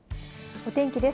お天気です。